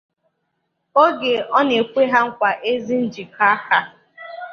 Oge ọ na-ekwe ha nkwà ezi njikọaka